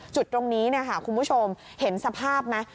จุดตรงนี้คุณผู้ชมเห็นสภาพไหม